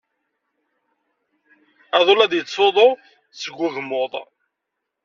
Aḍu la d-yettsuḍu seg wegmuḍ.